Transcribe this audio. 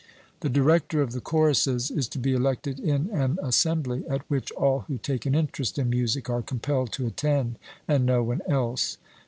The director of the choruses is to be elected in an assembly at which all who take an interest in music are compelled to attend, and no one else.